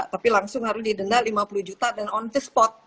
tapi langsung harus didenda lima puluh juta dan on the spot